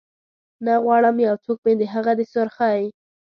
نه غواړم یو څوک مې د هغه د سرخۍ